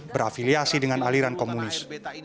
berafiliasi dengan aliran komunis